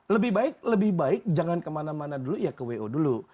lebih baik lebih baik jangan kemana mana dulu ya ke wo dulu